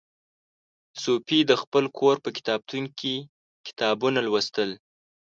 صوفي د خپل کور په کتابتون کې کتابونه لوستل.